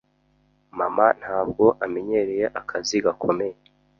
Mama ntabwo amenyereye akazi gakomeye.